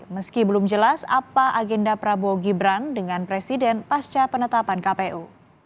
meski belum jelas apa agenda prabowo gibran dengan presiden pasca penetapan kpu